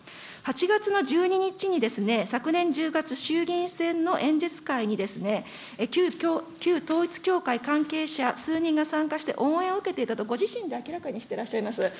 ８月の１２日に昨年１０月、衆議院選の演説会に、旧統一教会関係者数人が参加して応援を受けていたとご自身が明らかにしてらっしゃいます。